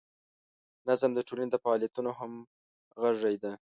نظم د ټولنې د فعالیتونو همغږي ده.